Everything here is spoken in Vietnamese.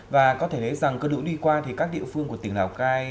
và có thể thấy rằng cơn lũ đi qua thì các địa phương của tỉnh lào cai